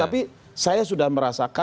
tapi saya sudah merasakan